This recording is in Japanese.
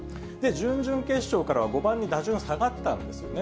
準々決勝からは５番に打順下がったんですよね。